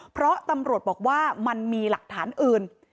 เพราะตำรวจบอกว่ามันมีหลักฐานอื่น